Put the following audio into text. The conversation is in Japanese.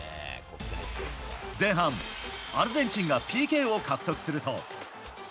前半、アルゼンチンがＰＫを獲得すると。